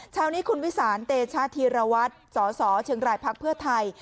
ชาวนี้คุณวิสารเทชถีระวัตรสสเบไทย